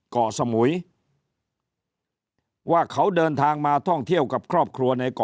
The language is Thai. เกาะสมุยว่าเขาเดินทางมาท่องเที่ยวกับครอบครัวในเกาะ